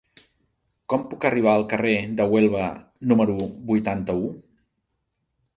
Com puc arribar al carrer de Huelva número vuitanta-u?